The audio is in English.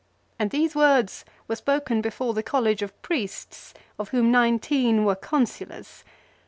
And these words were spoken before the College of Priests, of whom nineteen were Consulars